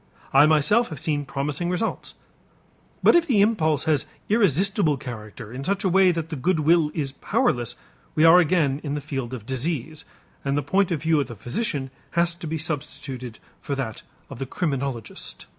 I myself have seen promising results. But if the impulse has irresistible character in such a way that the good will is powerless, we are again in the field of disease and the point of view of the physician has to be substituted for that of the criminologist.